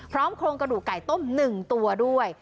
พร้อมโครงกระดูกไก่ต้มหนึ่งตัวด้วย